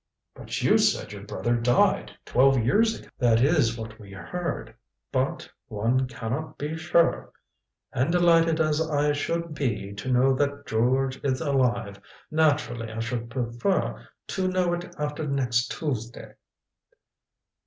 "But you said your brother died, twelve years ago." "That is what we heard. But one can not be sure. And, delighted as I should be to know that George is alive, naturally I should prefer to know it after next Tuesday."